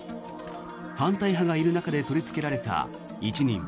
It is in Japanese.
反対派がいる中で取りつけられた一任。